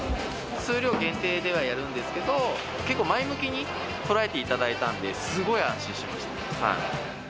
数量限定ではやるんですけど、結構前向きに捉えていただいたんで、すごい安心しました。